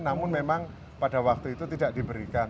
namun memang pada waktu itu tidak diberikan